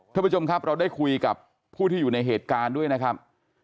ท่านผู้ชมครับเราได้คุยกับผู้ที่อยู่ในเหตุการณ์ด้วยนะครับ